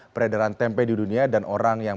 peredaran tempe di dunia dan orang yang